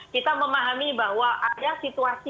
kita memahami bahwa ada situasi